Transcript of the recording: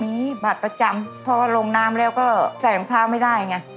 มีบัตรประจำเพราะว่าลงน้ำแล้วก็ใส่รองเท้าไม่ได้ไง